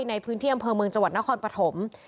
ในพื้นที่อำเภอเมืองจังหวัดนครปฐม